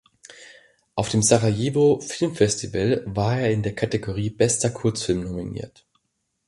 Auf dem Sarajevo Film Festival war er in der Kategorie Bester Kurzfilm nominiert.